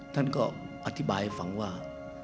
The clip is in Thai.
ท่านก็อธิบายฝังว่า